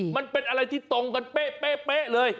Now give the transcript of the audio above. มันเป็นอะไรที่ตรงกันเป๊ะเลย